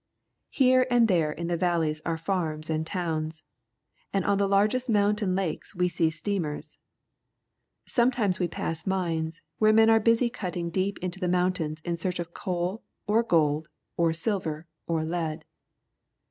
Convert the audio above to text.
Here and there in the valleys are farms and towns, and on the largest mountain lakes we see steamers. Some times we pass mines, where men are busy cutting deep into the mountains in search of coal, or gold, or silver, or lead.